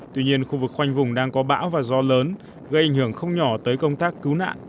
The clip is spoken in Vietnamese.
tuy nhiên khu vực khoanh vùng đang có bão và gió lớn gây ảnh hưởng không nhỏ tới công tác cứu nạn